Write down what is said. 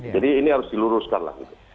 ini harus diluruskan lah gitu